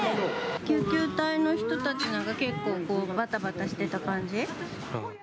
救急隊の人たちが結構こう、ばたばたしていた感じ。